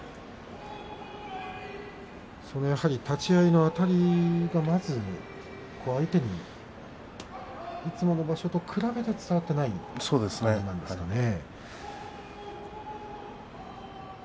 それは立ち合いのあたりがまずは相手にいつもの場所に比べて伝わってないということですかね。